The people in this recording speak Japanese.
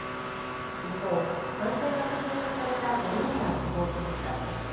一方、感染が確認された５人が死亡しました。